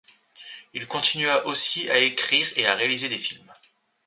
Il continua aussi à écrire et à réaliser des films.